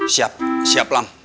siap siap lam